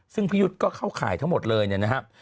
ซึ่งพี่ยุทธ์ก็เข้าข่ายทั้งหมดเลยนะครับ